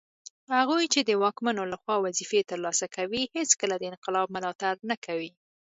هغوی چي د واکمنو لخوا وظیفې ترلاسه کوي هیڅکله د انقلاب ملاتړ نه کوي